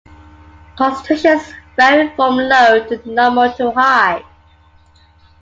Concentrations vary from low to normal to high.